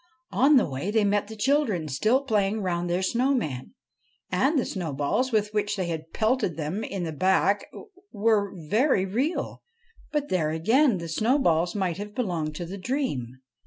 On the way they met the children, still playing round their snow man ; and the snowballs with which they pelted them in the back were very real ; but there again, the snowballs might have belonged to the dream.